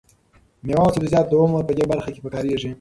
مېوه او سبزیجات د عمر په دې برخه کې پکارېږي.